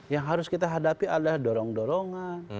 yang harus kita hadapi adalah dorong dorongan